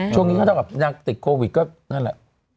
ช่วงนี้เขาเท่ากับนางติดโควิดก็นั่นแหละ